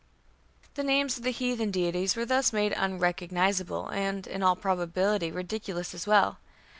The names of heathen deities were thus made "unrecognizable, and in all probability ridiculous as well....